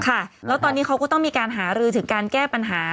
แล้วตอนนี้เขาก็ต้องมีการหารือถึงการแก้ปัญหา